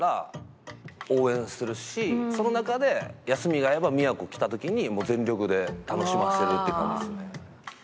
その中で休みが合えば宮古来た時に全力で楽しませるって感じですね。